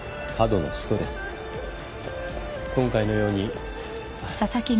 今回のように。